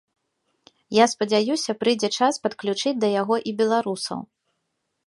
Я спадзяюся прыйдзе час падключыць да яго і беларусаў.